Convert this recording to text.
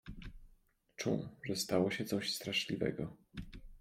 Czuł, że stało się coś straszliwego.